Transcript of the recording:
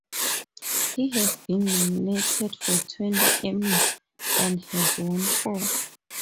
He has been nominated for twenty Emmys and has won four.